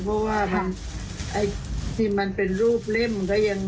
เพราะว่ามันที่มันเป็นรูปเล่มมันก็ยังไง